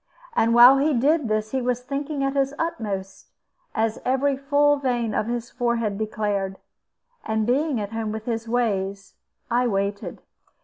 And while he did this he was thinking at his utmost, as every full vein of his forehead declared. And being at home with his ways, I waited.